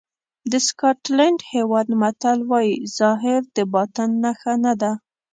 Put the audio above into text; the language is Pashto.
د سکاټلېنډ هېواد متل وایي ظاهر د باطن نښه نه ده.